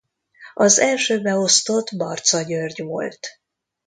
Az első beosztott Barcza György volt.